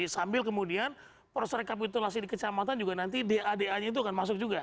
sambil kemudian proses rekapitulasi di kecamatan juga nanti da da nya itu akan masuk juga